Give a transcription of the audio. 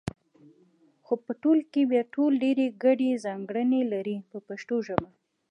خو په ټول کې بیا ټول ډېرې ګډې ځانګړنې لري په پښتو ژبه.